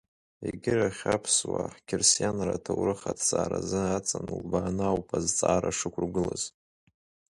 Егьырахь аԥсуаа ҳқьырсианра аҭоурых аҭҵааразы аҵан улбааны ауп азҵаара шықәургылаз.